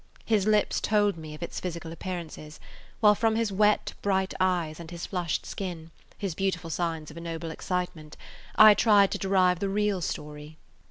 His lips told me of its physical appearances, while from his wet, bright eyes and his flushed skin, his beautiful signs of a noble excitement, I tried to derive the real story.